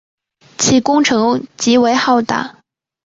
该工程极为浩大。